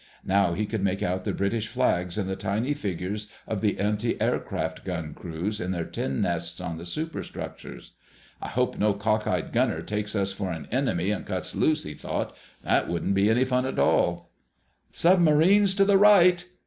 Now he could make out the British flags and the tiny figures of the antiaircraft gun crews in their tin nests on the superstructures. "I hope no cockeyed gunner takes us for an enemy and cuts loose," he thought. "That wouldn't be any fun at all—" "_Submarines to the right!